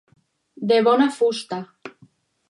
De bona fusta.